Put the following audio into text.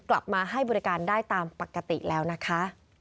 กลับมาให้บริการได้ตามปกติแล้วนะคะ